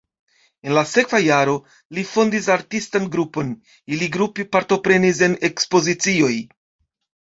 En la sekva jaro li fondis artistan grupon, ili grupe partoprenis en ekspozicioj.